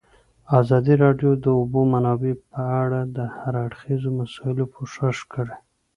ازادي راډیو د د اوبو منابع په اړه د هر اړخیزو مسایلو پوښښ کړی.